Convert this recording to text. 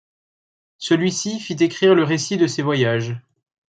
Celui-ci fit écrire le récit de ses voyages.